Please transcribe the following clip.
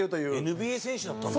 ＮＢＡ選手だったんだ？